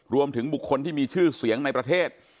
รวมถึงบุคคลที่มีชื่อเสียงในประเทศ